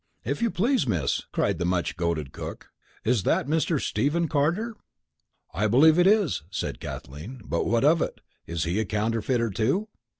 "If you please, Miss," cried the much goaded cook, "is that Mr. Stephen Carter?" "I believe it is," said Kathleen, "but what of it? Is he a counterfeiter, too?"